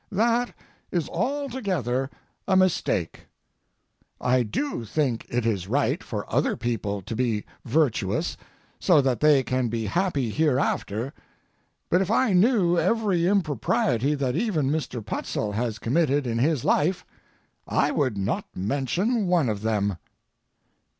That is altogether a mistake. I do think it is right for other people to be virtuous so that they can be happy hereafter, but if I knew every impropriety that even Mr. Putzel has committed in his life, I would not mention one of them.